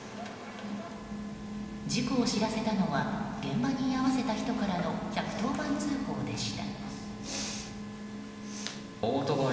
事故を知らせたのは現場に居合わせた人からの１１０番通報でした。